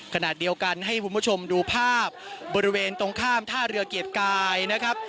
ขณะเดียวกันให้คุณผู้ชมดูภาพบริเวณตรงข้ามท่าเรือเกียรติกายนะครับ